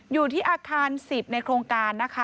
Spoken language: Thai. อยู่ที่อาคาร๑๐ในโครงการนะคะ